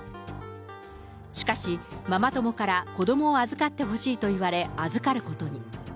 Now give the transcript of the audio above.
しかし、ママ友から子どもを預かってほしいと言われ預かることに。